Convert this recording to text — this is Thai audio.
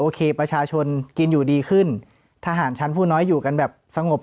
ประชาชนกินอยู่ดีขึ้นทหารชั้นผู้น้อยอยู่กันแบบสงบ